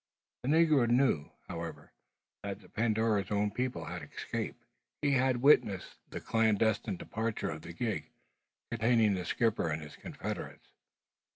The negro knew, however, that the Pandora's own people had escaped. He had witnessed the clandestine departure of the gig, containing the skipper and his confederates.